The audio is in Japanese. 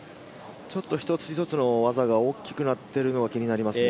ちょっと一つ一つの技が大きくなっているのが気になりますね。